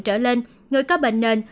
trở lên người có bệnh nền